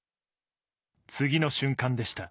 次の瞬間でした。